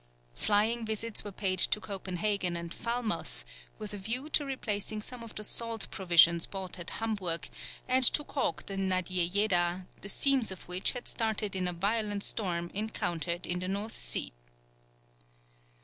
Flying visits were paid to Copenhagen and Falmouth, with a view to replacing some of the salt provisions bought at Hamburg, and to caulk the Nadiejeda, the seams of which had started in a violent storm encountered in the North Sea.